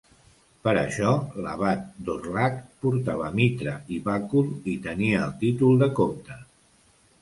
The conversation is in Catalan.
Per això, l'abat d'Orlhac portava mitra i bàcul i tenia el títol de comte.